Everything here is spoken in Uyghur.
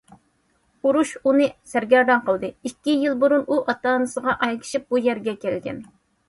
ئۇرۇش ئۇنى سەرگەردان قىلدى، ئىككى يىل بۇرۇن ئۇ ئاتا- ئانىسىغا ئەگىشىپ بۇ يەرگە كەلگەن.